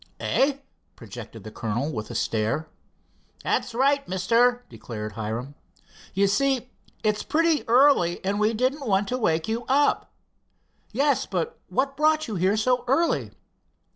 "Eh?" projected the Colonel, with a stare. "That's right, Mister," declared Hiram. "You see, it's pretty early, and we didn't want to wake you up." "Yes, but what brought you here so early?"